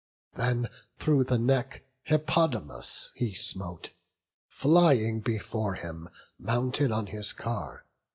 Then through the neck Hippodamas he smote, Flying before him, mounted on his car.